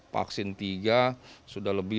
vaksin tiga sudah lebih